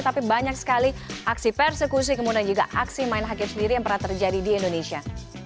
tapi banyak sekali aksi persekusi kemudian juga aksi main hakim sendiri yang pernah terjadi di indonesia